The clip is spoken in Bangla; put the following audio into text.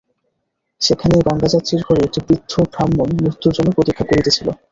সেখানে গঙ্গাযাত্রীর ঘরে একটি বৃদ্ধ ব্রাহ্মণ মৃত্যুর জন্য প্রতীক্ষা করিতেছিল।